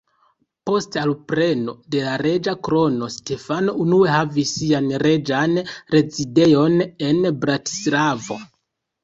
Post alpreno de la reĝa krono, Stefano unue havis sian reĝan rezidejon en Bratislavo.